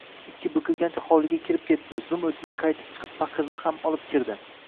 Ikki bukilgancha hovliga kirib ketdi, zum o‘tmay qaytib chiqib paqirni ham olib kirdi.